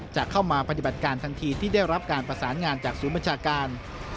จะเข้ามาปฏิบัติการทันทีที่ได้รับการประสานงานจากศูนย์บัญชาการ